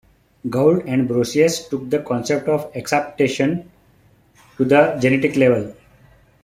Gould and Brosius took the concept of exaptation to the genetic level.